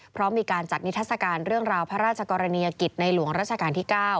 เพราะมีการจัดนิทัศกาลเรื่องราวพระราชกรณียกิจในหลวงราชการที่๙